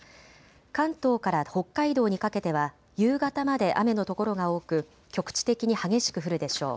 関東から北海道にかけては夕方まで雨の所が多く局地的に激しく降るでしょう。